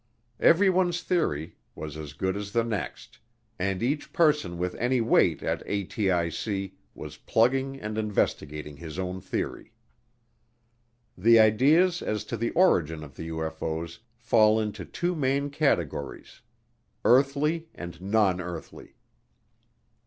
Everyone's theory was as good as the next and each person with any weight at ATIC was plugging and investigating his own theory. The ideas as to the origin of the UFO's fell into two main categories, earthly and non earthly.